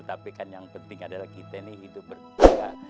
tapi kan yang penting adalah kita nih hidup berdua